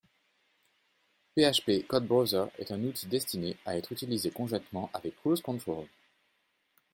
PHP_CodeBrowser est un outil destiné, à être utilisé conjointement avec CruiseControl.